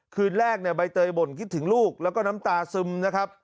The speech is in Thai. คืนแรกเนี่ยใบเตยบ่นคิดถึงลูกแล้วก็น้ำตาซึมนะครับ